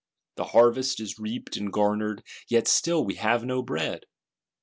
The harvest is reaped and garnered; yet still we have no bread.